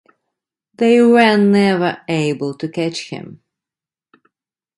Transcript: They were never able to catch him.